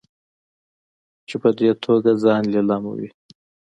چې په دې توګه ځان لیلاموي.